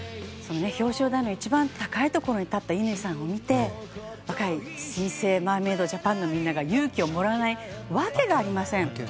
表彰台の一番高いところに立った乾さんを見て若い新星マーメイドジャパンのみんなが勇気をもらわないわけがありません。